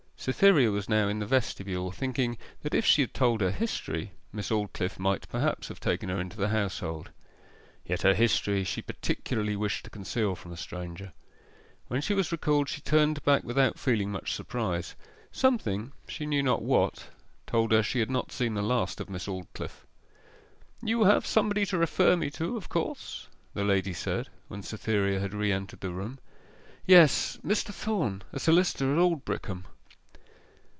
Cytherea was now in the vestibule, thinking that if she had told her history, Miss Aldclyffe might perhaps have taken her into the household; yet her history she particularly wished to conceal from a stranger. When she was recalled she turned back without feeling much surprise. Something, she knew not what, told her she had not seen the last of Miss Aldclyffe. 'You have somebody to refer me to, of course,' the lady said, when Cytherea had re entered the room. 'Yes: Mr. Thorn, a solicitor at Aldbrickham.